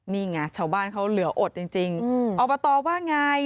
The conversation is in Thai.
นี่ไงชาวบ้านเขาเหลืออดจริงอบตว่าไง